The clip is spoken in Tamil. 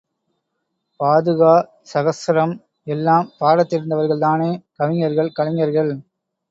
பாதுகா சஹஸ்ரம் எல்லாம் பாடத் தெரிந்தவர்கள்தானே, கவிஞர்கள், கலைஞர்கள்?